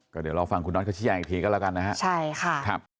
ก็เดี๋ยวรอฟังคุณน็อตเขาชี้แจงอีกทีก็แล้วกันนะฮะใช่ค่ะครับ